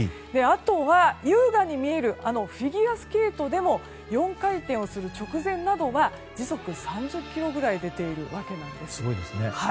あとは優雅に見えるフィギュアスケートでも４回転をする直前などは時速３０キロぐらい出ているわけなんです。